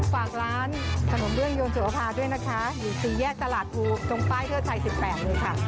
ฝากร้านขนมเบื้องยนสุรภาด้วยนะคะอยู่สี่แยกตลาดภูตรงป้ายเทิดไทย๑๘เลยค่ะ